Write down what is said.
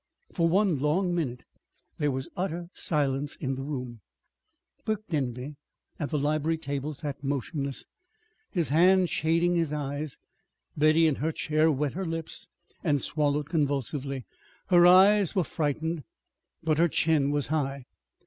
For one long minute there was utter silence in the room. Burke Denby, at the library table, sat motionless, his hand shading his eyes. Betty, in her chair, wet her lips and swallowed convulsively. Her eyes were frightened but her chin was high.